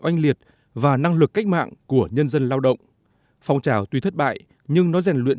oanh liệt và năng lực cách mạng của nhân dân lao động phong trào tuy thất bại nhưng nó rèn luyện